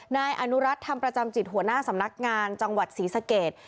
นายอนุรัติธรรมประจำจิตหัวหน้าสำนักงานจังหวัดศรีสเกต